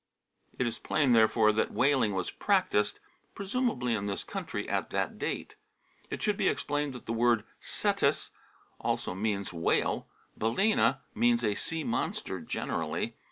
It is plain, therefore, that whaling was practised, presumably in this country, at that date. It should be explained that the word cetus alone means whale ; balana means a sea monster generally.